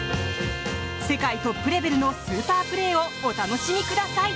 世界トップレベルのスーパープレーをお楽しみください。